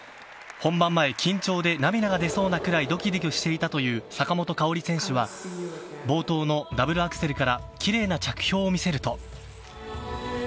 本番前、緊張で涙が出そうなくらいどきどきしていたという坂本花織選手は、冒頭のダブルアクセルからきれいな着氷を見せると。